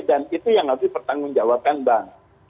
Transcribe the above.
dan itu yang harus dipertanggung jawabkan bank